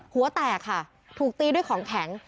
หัวแตกค่ะถูกตีด้วยของแข็ง